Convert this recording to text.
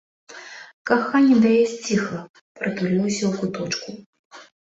Каханне да яе сціхла, прытулілася ў куточку.